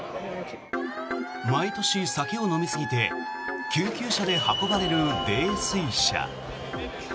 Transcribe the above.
毎年酒を飲みすぎて救急車で運ばれる泥酔者。